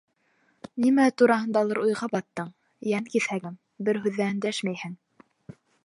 —Нимә тураһындалыр уйға баттың, йән киҫәгем, бер һүҙ ҙә өндәшмәйһең.